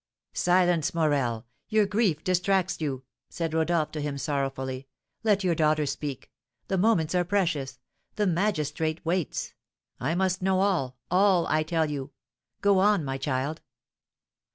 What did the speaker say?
"Silence, Morel! your grief distracts you," said Rodolph to him sorrowfully; "let your daughter speak; the moments are precious; the magistrate waits; I must know all, all, I tell you; go on, my child."